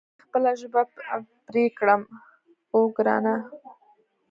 که دې خوښه وي خپله ژبه به پرې کړم، اوه ګرانه.